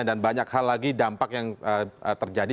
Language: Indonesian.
dan banyak hal lagi dampak yang terjadi